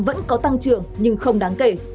vẫn có tăng trưởng nhưng không đáng kể